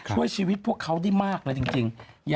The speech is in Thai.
ช่วยชีวิตพวกเขาได้มากเลยจริง